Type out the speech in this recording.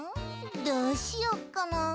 どうしよっかな。